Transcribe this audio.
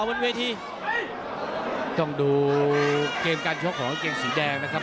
บนเวทีต้องดูเกมการชกของกางเกงสีแดงนะครับ